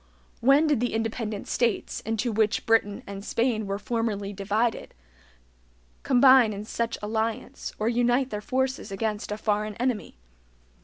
When did the independent states, into which Britain and Spain were formerly divided, combine in such alliance, or unite their forces against a foreign enemy?